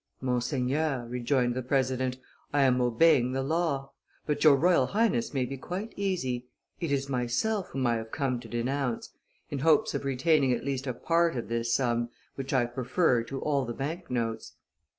"Monseigneur," rejoined the president, "I am obeying the law; but your Royal Highness may be quite easy; it is myself whom I have come to denounce, in hopes of retaining at least a part of this sum, which I prefer to all the bank notes."